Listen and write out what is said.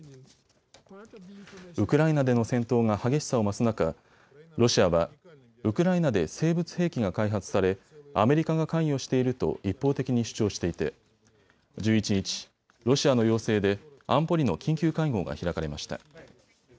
ウクライナでの戦闘が激しさを増す中、ロシアはウクライナで生物兵器が開発されアメリカが関与していると一方的に主張していて１１日、ロシアの要請で安保理の緊急会合が開かれました。